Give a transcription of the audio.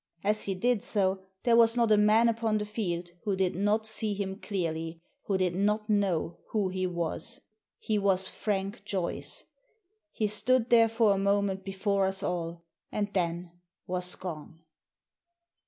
As he did so there was not a man upon the field who did not see him clearly, who did not know who he was. He was Frank Joyce ! He stood there for a moment before us all, and then was gone.